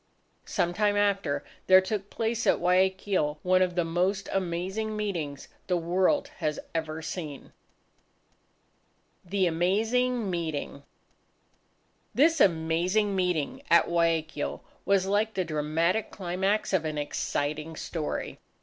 Some time after, there took place at Guayaquil one of the most amazing meetings the world has ever seen. THE AMAZING MEETING This amazing meeting at Guayaquil, was like the dramatic climax of an exciting story.